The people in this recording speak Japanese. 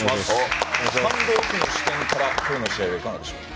スタンドオフの視点から今日の試合はいかがでしょう？